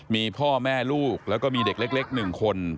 มีพ่อแม่ลูกแล้วก็มีเด็กเล็ก๑คน